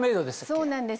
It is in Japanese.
そうなんです